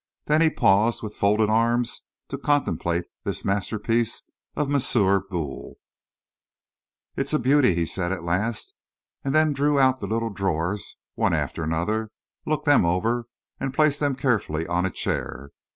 Then he paused with folded arms to contemplate this masterpiece of M. Boule. "It is a beauty," he said, at last, and then drew out the little drawers, one after another, looked them over, and placed them carefully on a chair.